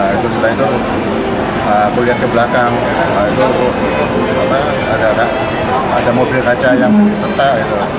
itu setelah itu aku lihat ke belakang itu ada mobil kaca yang retak